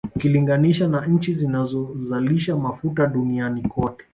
Ukilinganisha na nchi zinazozalisha Mafuta duniani kote